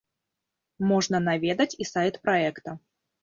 Можна наведаць і сайт праекта.